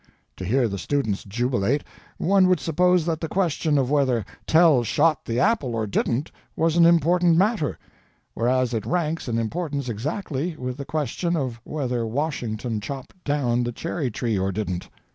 To hear the students jubilate, one would suppose that the question of whether Tell shot the apple or didn't was an important matter; whereas it ranks in importance exactly with the question of whether Washington chopped down the cherry tree or didn't.